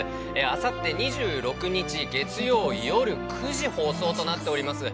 あさって２６日、月曜、夜９時放送となっております。